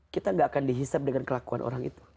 kita gak akan dihisap dengan kelakuan orang itu